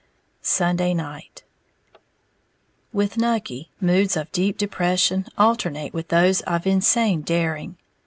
Sunday Night. With Nucky, moods of deep depression alternate with those of insane daring.